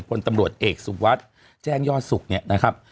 พลตำรวจเอกสุวัสดิ์แจ้งยอดสุขเนี่ยนะครับ